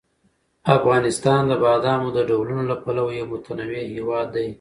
افغانستان د بادامو د ډولونو له پلوه یو متنوع هېواد دی.